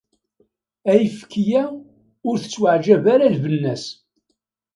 Ayefki-a ur tettweɛjab ara lbenna-s.